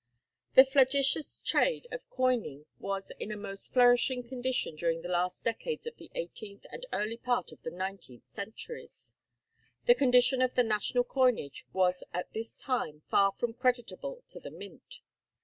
The flagitious trade of coining was in a most flourishing condition during the last decades of the eighteenth and the early part of the nineteenth centuries. The condition of the national coinage was at this time far from creditable to the Mint.